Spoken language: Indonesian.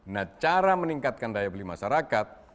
nah cara meningkatkan daya beli masyarakat